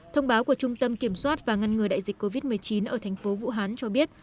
thông báo của trung tâm kiểm soát và ngăn ngừa đại dịch covid một mươi chín ở thành phố vũ hán cho biết